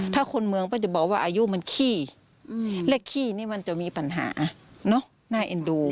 ถ้าคนเมืองก็จะบอกว่าอายุมันขี้และขี้นี่มันจะมีปัญหาน่าเอ็นดู